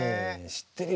知ってるよ。